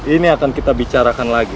ini akan kita bicarakan lagi